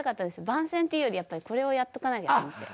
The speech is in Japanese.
番宣っていうよりやっぱりこれをやっとかなきゃと思って。